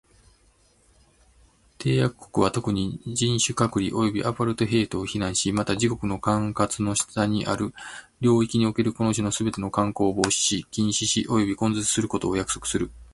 締約国は、特に、人種隔離及びアパルトヘイトを非難し、また、自国の管轄の下にある領域におけるこの種のすべての慣行を防止し、禁止し及び根絶することを約束する。